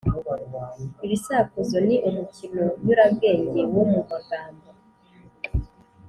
Ibisakuzo ni umukino nyurabwenge wo mu magambo